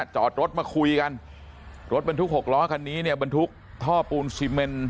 จอดรถมาคุยกันรถบรรทุก๖ล้อคันนี้เนี่ยบรรทุกท่อปูนซีเมน